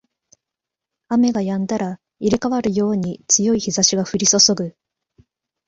雨が止んだら入れ替わるように強い日差しが降りそそぐ